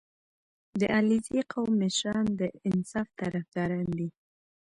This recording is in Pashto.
• د علیزي قوم مشران د انصاف طرفداران دي.